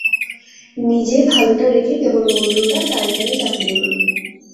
নিজে ভালটা রেখে কেবল মন্দটা তাঁর ঘাড়ে চাপিও না।